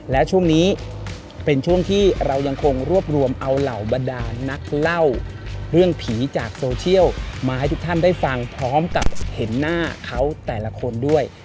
และช่วงนี้เป็นช่วงที่เรายังคงรวบรวมเอาเหล่าบรรดานักเล่าเรื่องผีจากโซเชียลมาให้ทุกท่านได้ฟังพร้อมกับเห็นหน้าเขาแต่ละคนด้วย